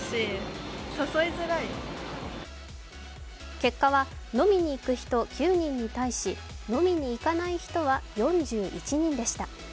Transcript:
結果は、飲みに行く人９人に対し飲みに行かない人は４１人でした。